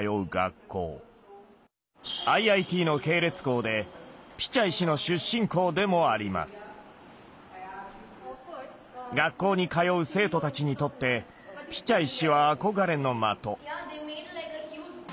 ＩＩＴの系列校でピチャイ氏の出身校でもあります。学校に通う生徒たちにとってピチャイ氏は憧れの的。